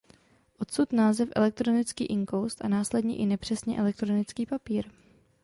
Odsud název „elektronický inkoust“ a následně i nepřesně „elektronický papír“.